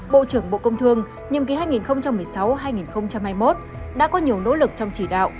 bộ trưởng bộ công thương nhiệm ký hai nghìn một mươi sáu hai nghìn hai mươi một đã có nhiều nỗ lực trong chỉ đạo